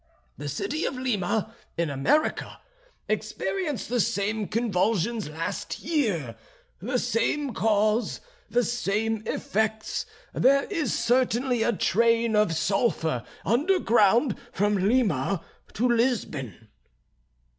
"The city of Lima, in America, experienced the same convulsions last year; the same cause, the same effects; there is certainly a train of sulphur under ground from Lima to Lisbon."